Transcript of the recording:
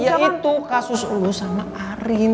ya itu kasus ulus sama arin